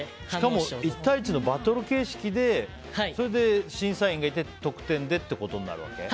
しかも１対１のバトル形式でそれで審査員がいて得点でってことになるわけ？